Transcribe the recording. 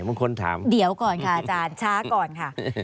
บางคนถามเดี๋ยวก่อนค่ะอาจารย์ช้าก่อนค่ะ